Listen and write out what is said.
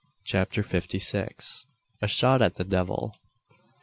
CHAPTER FIFTY SIX. A SHOT AT THE DEVIL.